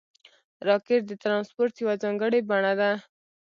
راکټ د ترانسپورټ یوه ځانګړې بڼه ده